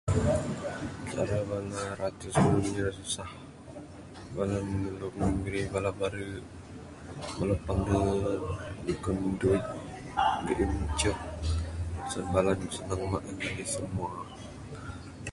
Cara ratus nulung inya da susah bala ne nulung mirih bala bare bala pane nyugon duit gain icek sen bala ne senang maan anih semua.